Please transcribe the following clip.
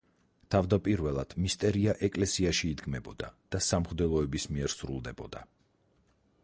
თავდაპირველად მისტერია ეკლესიაში იდგმებოდა და სამღვდელოების მიერ სრულდებოდა.